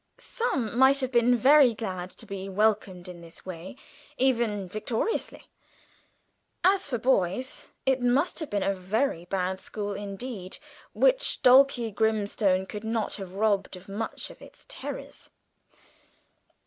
Some might have been very glad to be welcomed in this way, even vicariously. As for boys, it must have been a very bad school indeed which Dulcie Grimstone could not have robbed of much of its terrors.